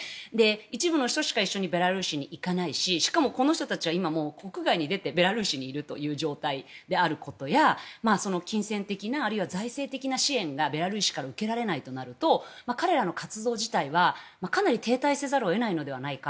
一部の人しか一緒にベラルーシに行かないししかも、この人たちは今、国外に出てベラルーシにいるという状態であることや金銭的な、あるいは財政的な支援がベラルーシから受けられないとなると彼らの活動自体はかなり停滞せざるを得ないのではないか。